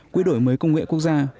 quỹ đổi mới công nghệ quốc gia